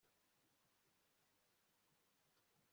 karekezi yakuburiye